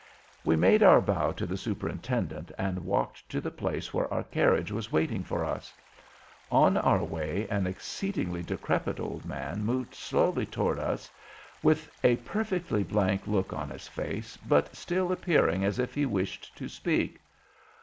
We made our bow to the Superintendent and walked to the place where our carriage was waiting for us. On our way, an exceedingly decrepit old man moved slowly toward us, with a perfectly blank look on his face, but still appearing as if he wished to speak.